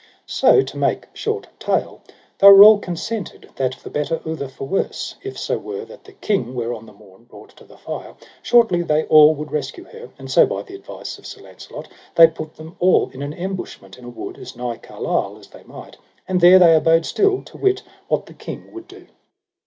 So to make short tale, they were all consented that for better outher for worse, if so were that the queen were on that morn brought to the fire, shortly they all would rescue her. And so by the advice of Sir Launcelot, they put them all in an embushment in a wood, as nigh Carlisle as they might, and there they abode still, to wit what the king would do.